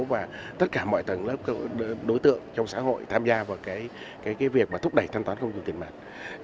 và tất cả mọi tầng lớp đối tượng trong xã hội tham gia vào việc thúc đẩy thanh toán không dùng tiền mặt